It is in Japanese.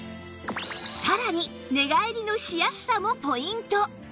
さらに寝返りのしやすさもポイント